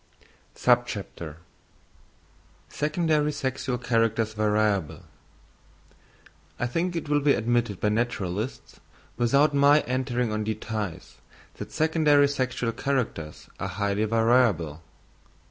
Secondary Sexual Characters Variable.—I think it will be admitted by naturalists, without my entering on details, that secondary sexual characters are highly variable.